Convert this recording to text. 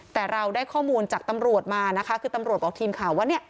แต่เราได้ข้อมูลจากตำรวจมานะคะคือตำรวจบอกทีมข่าวว่าเนี่ย